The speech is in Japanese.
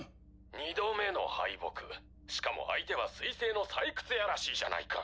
二度目の敗北しかも相手は水星の採掘屋らしいじゃないか。